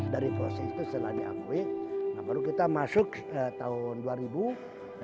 dari proses itu setelah diakui nah baru kita masuk tahun dua ribu